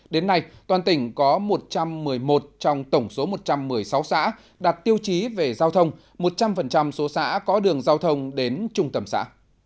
đến nay toàn tỉnh có một trăm một mươi một trong tổng số một trăm một mươi sáu xã đặt tiêu chí về giao thông một trăm linh số xã có đường giao thông đến trung tâm xã